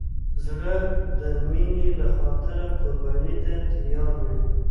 زړه د مینې له خاطره قرباني ته تیار وي.